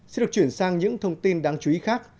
xin được chuyển sang những thông tin đáng chú ý khác